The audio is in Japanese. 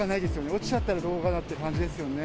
落ちちゃったらどうかなっていう感じですよね。